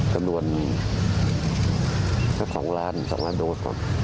กำลัง๒ล้านโดส